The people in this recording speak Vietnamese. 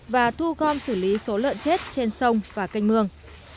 và thu gom xử lý số lợn chết trên sông và canh mương